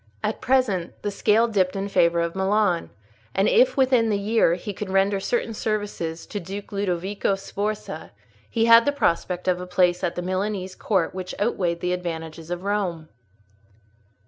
At present, the scale dipped in favour of Milan; and if within the year he could render certain services to Duke Ludovico Sforza, he had the prospect of a place at the Milanese court which outweighed the advantages of Rome.